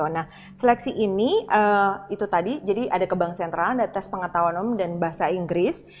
nah seleksi ini itu tadi jadi ada ke bank sentral ada tes pengetahuan umum dan bahasa inggris